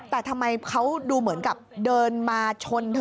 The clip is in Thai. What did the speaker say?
แต่ทำไมเขาดูเหมือนกับเดินมาชนเธอ